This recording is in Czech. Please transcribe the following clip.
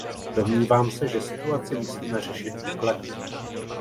Domnívám se, že situaci musíme řešit důkladně.